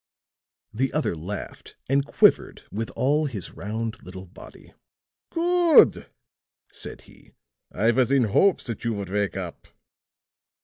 The other laughed and quivered with all his round little body. "Good," said he. "I was in hopes that you would wake up."